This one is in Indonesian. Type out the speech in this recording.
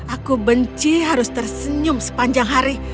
aku benci harus tersenyum sepanjang hari